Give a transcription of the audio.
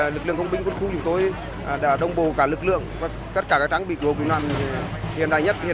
lực lượng công binh quân khu chúng tôi đã đồng bộ cả lực lượng và tất cả các trang bị cứu hộ cứu nạn hiện đại nhất